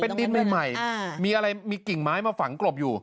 ดินใหม่มีอะไรมีกิ่งไม้มาฝังกลบอยู่